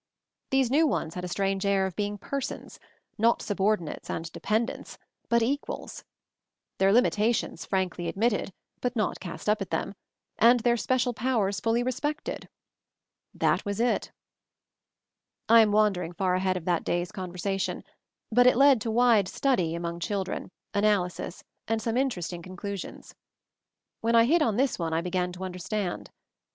These new ones had a strange air of being Persons, not subordinates and dependents, but Equals; their limitations frankly ad mitted, but not cast up at them, and their special powers fully respected. That was it! I am wandering far ahead of that day's conversation, but it led to wide study among 204 MOVING THE MOUNTAIN children, analysis, and some interesting con clusions. When I hit on this one I began to understand.